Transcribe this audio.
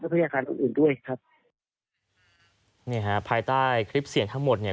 พยาการอื่นอื่นด้วยครับเนี่ยฮะภายใต้คลิปเสียงทั้งหมดเนี่ย